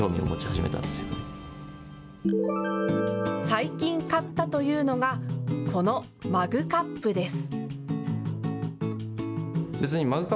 最近買ったというのがこのマグカップです。